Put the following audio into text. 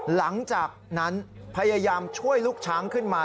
หลังจากนั้นพยายามช่วยลูกช้างขึ้นมา